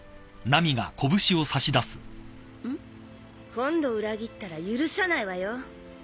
今度裏切ったら許さないわよ！